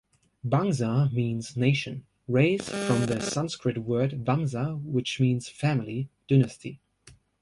"Bangsa" means "nation", "race", from the Sanskrit word "vamsa" which means "family", "dynasty".